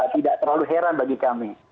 tidak terlalu heran bagi kami